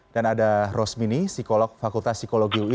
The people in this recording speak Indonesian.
dan ada rosmini psikolog fakultas psikologi ui